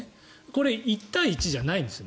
これ、１対１じゃないんです。